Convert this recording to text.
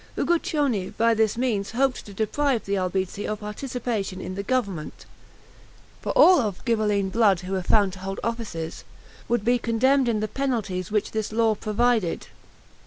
Uguccione by this means hoped to deprive the Albizzi of participation in the government, for all of Ghibelline blood who were found to hold offices, would be condemned in the penalties which this law provided.